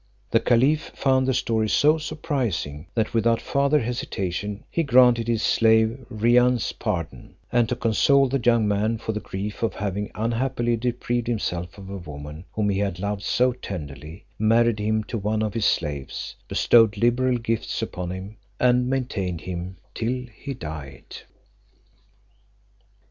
The caliph found the story so surprising, that without farther hesitation he granted his slave Rihan's pardon; and to console the young man for the grief of having unhappily deprived himself of a woman whom he had loved so tenderly, married him to one of his slaves, bestowed liberal gifts upon him, and maintained him till he died.